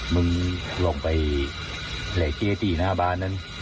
มึงลงไปเหล็กเก้ที่หน้าบ้านนั้น